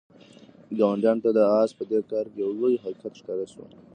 ګاونډیانو ته د آس په دې کار کې یو لوی حقیقت ښکاره شو.